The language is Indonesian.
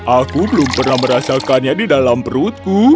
aku belum pernah merasakannya di dalam perutku